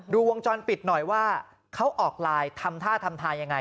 วงจรปิดหน่อยว่าเขาออกไลน์ทำท่าทำทายังไง